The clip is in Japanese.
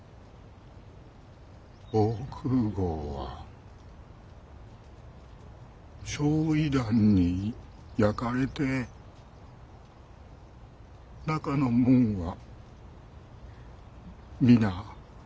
防空壕は焼夷弾に焼かれて中の者は皆。